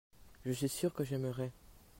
je suis sûr que j'aimerai.